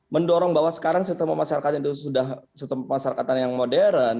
mendorong bahwa sekarang sistem pemasarakatan itu sudah sistem pemasarakatan yang modern